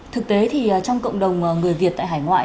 thực tế thì trong cộng đồng người việt tại hải ngoại